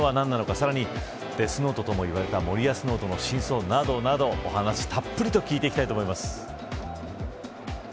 さらにデスノートともいわれた森保ノートの真相などなどお話、たっぷりと聞いていきたいと思います。